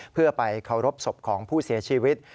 เพื่อไปเคารพศพของผู้เสียชีวิต